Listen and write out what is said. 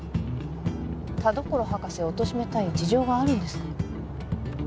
田所博士をおとしめたい事情があるんですか？